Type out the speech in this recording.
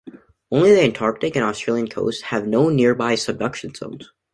Only the Antarctic and Australian coasts have no nearby subduction zones.